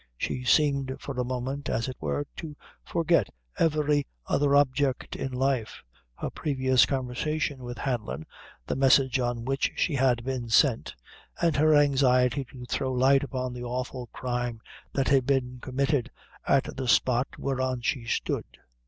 She seemed for a moment, as it were, to forget every other object in life her previous conversation with Hanlon the message on which she had been sent and her anxiety to throw light upon the awful crime that had been committed at the spot whereon she stood.